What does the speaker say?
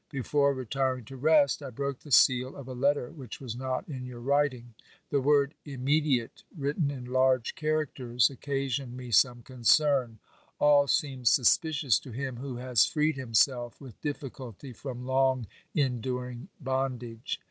Before retiring to rest, I broke the seal of a letter which was not in your writing. The 44 OBERMANN word Immediate written in large characters occasioned me some concern. All seems suspicious to him who has freed himself with difficulty from long enduring bondage.